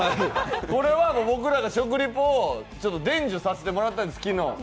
これは僕らが食レポを伝授させてもらったんです、昨日。